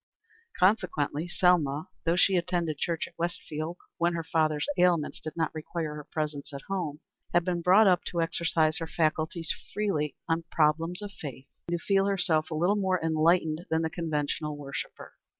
Consequently Selma, though she attended church at Westfield when her father's ailments did not require her presence at home, had been brought up to exercise her faculties freely on problems of faith and to feel herself a little more enlightened than the conventional worshipper.